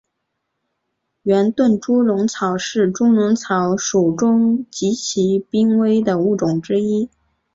圆盾猪笼草是猪笼草属中极其濒危的物种之一。